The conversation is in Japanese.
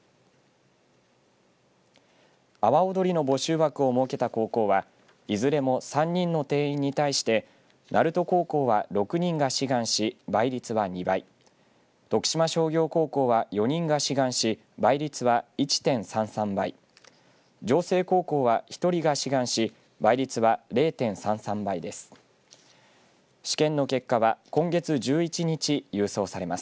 阿波踊りの募集枠を設けた高校はいずれも３人の定員に対して鳴門高校は６人が志願し倍率は２倍徳島商業高校は４人が志願し、倍率は１．３３倍城西高校は１人が志願し倍率は０．３３倍です。